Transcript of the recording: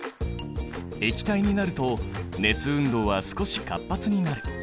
液体になると熱運動は少し活発になる。